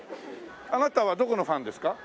あなたはどこのファンですか？